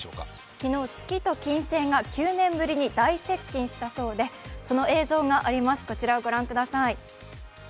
昨日、月と金星が９年ぶりに大接近したそうで、その映像があります、こちらを御覧ください。